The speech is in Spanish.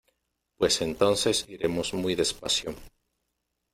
pues entonces iremos muy despacio,